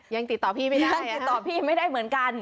ยังติดต่อพี่ไม่ได้ติดต่อพี่ไม่ได้เหมือนกัน